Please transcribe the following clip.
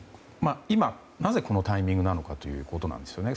今、なぜ、このタイミングなのかということなんですよね。